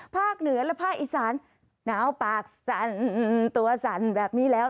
เหนือและภาคอีสานหนาวปากสั่นตัวสั่นแบบนี้แล้ว